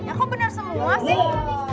ya kok bener semua sih